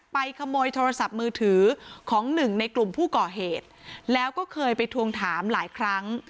ขโมยโทรศัพท์มือถือของหนึ่งในกลุ่มผู้ก่อเหตุแล้วก็เคยไปทวงถามหลายครั้ง